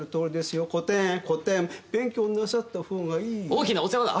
大きなお世話だ！